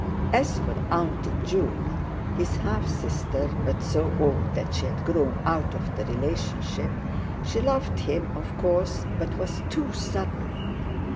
As for "Auntie" June, his half sister (but so old that she had grown out of the relationship) she loved him, of course, but was too sudden.